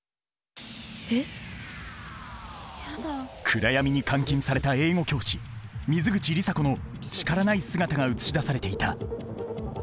暗闇に監禁された英語教師水口里紗子の力ない姿が映し出されていた。